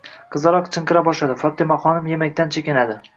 Qizaloq chinqira boshladi. Fotimaxonim yemaqdan chekinadi.